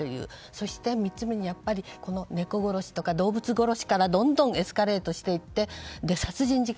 そして、３つ目に猫殺しとか動物殺しからどんどんエスカレートしていって殺人事件